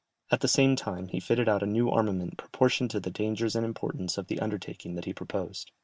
At the same time he fitted out a new armament proportioned to the dangers and importance of the undertaking that he proposed.